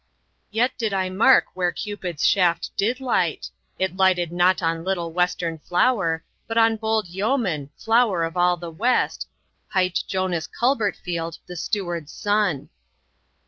Yet did I mark where Cupid's shaft did light; It lighted not on little western flower, But on bold yeoman, flower of all the west, Hight Jonas Culbertfield, the steward's son.